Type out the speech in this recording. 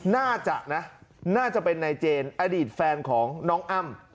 น่าจะนะน่าจะเป็นนายเจนอดีตแฟนของน้องอ้ำ